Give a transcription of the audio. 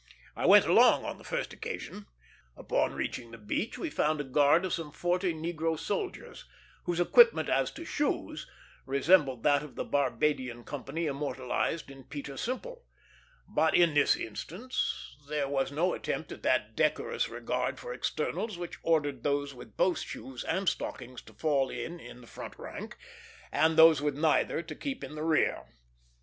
I went along on the first occasion. Upon reaching the beach we found a guard of some forty negro soldiers, whose equipment, as to shoes, resembled that of the Barbadian company immortalized in Peter Simple; but in this instance there was no attempt at that decorous regard for externals which ordered those with both shoes and stockings to fall in in the front rank, and those with neither to keep in the rear.